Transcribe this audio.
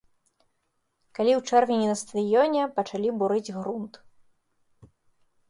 Калі ў чэрвені на стадыёне пачалі бурыць грунт.